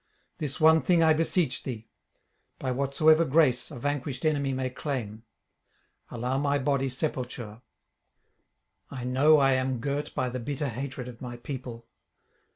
This one thing I beseech thee, by whatsoever grace a vanquished enemy may claim: allow my body sepulture. I know I am girt by the bitter hatred of my people.